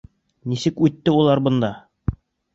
Нисек үтте улар бында?